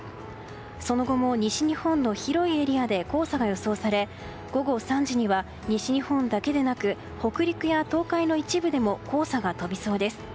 その後も西日本の広いエリアで黄砂が予想され午後３時には西日本だけでなく北陸や東海の一部でも黄砂が飛びそうです。